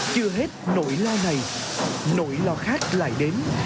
chưa hết nỗi lo này nỗi lo khác lại đến